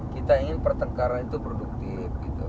kita ingin pertengkaran itu produktif